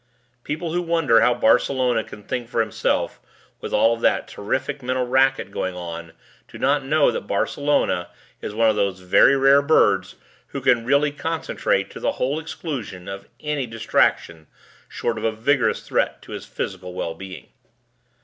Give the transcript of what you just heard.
People who wonder how Barcelona can think for himself with all of that terrific mental racket going on do not know that Barcelona is one of those very rare birds who can really concentrate to the whole exclusion of any distraction short of a vigorous threat to his physical well being.